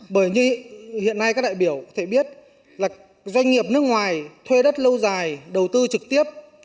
bởi như hiện nay các đại biểu thể biết là doanh nghiệp nước ngoài thuê đất lâu dài đầu tư trực tiếp